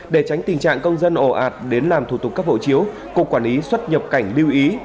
để tránh tình trạng công dân ổ ạt đến làm thủ tục cấp hộ chiếu cục quản lý xuất nhập cảnh lưu ý